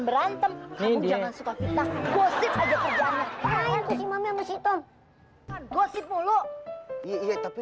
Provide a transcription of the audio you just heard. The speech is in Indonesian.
berantem ini jangan suka kita gosip aja kejam main main si mama mesin gosip mulu iya tapi